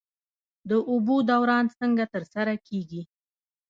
د اوبو دوران څنګه ترسره کیږي؟